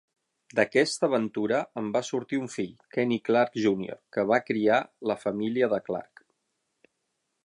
D"aquesta aventura en va sortir un fill, Kenny Clarke Jr, que va criar la família de Clarke.